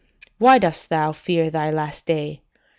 Why dost thou fear thy last day?